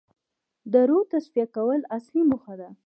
د روح تصفیه کول اصلي موخه ده.